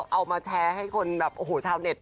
เอามาแชร์ให้คนแบบโอ้โหชาวเน็ต